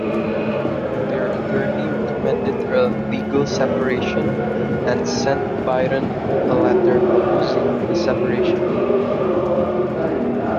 Their attorney recommended a legal separation and sent Byron a letter proposing the separation.